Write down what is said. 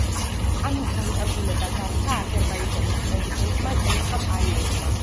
ამის განკარგულება გასცა აზერბაიჯანის პრეზიდენტმა ილჰამ ალიევმა.